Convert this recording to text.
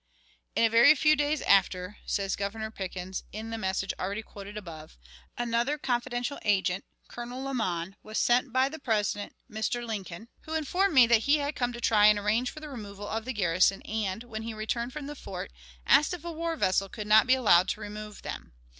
"In a very few days after" (says Governor Pickens, in the message already quoted above), "another confidential agent, Colonel Lamon, was sent by the President [Mr. Lincoln], who informed me that he had come to try and arrange for the removal of the garrison, and, when he returned from the fort, asked if a war vessel could not be allowed to remove them.